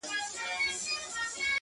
• شیخه مستي مي له خُماره سره نه جوړیږي ,